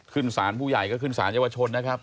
ขึ้นสารผู้ใหญ่ก็ขึ้นสารเยาวชนนะครับ